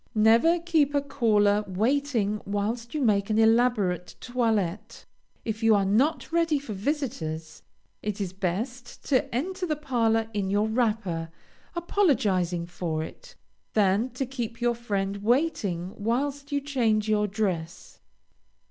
Never keep a caller waiting whilst you make an elaborate toilette. If you are not ready for visitors, it is best to enter the parlor in your wrapper, apologizing for it, than to keep your friend waiting whilst you change your dress.